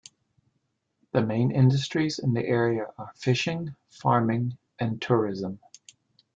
The main industries in the area are fishing, farming, and tourism.